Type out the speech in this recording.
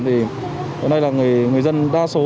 thì người dân đa số